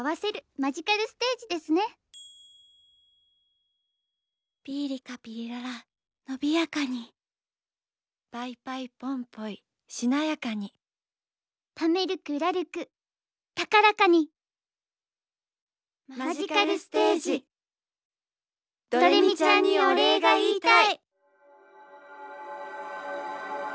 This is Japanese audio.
マジカルステージどれみちゃんにお礼が言いたい。